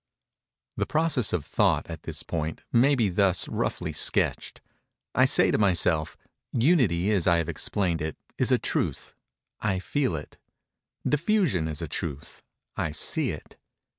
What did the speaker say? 133. The process of thought, at this point, may be thus roughly sketched:—I say to myself—"Unity, as I have explained it, is a truth—I feel it. Diffusion is a truth—I see it.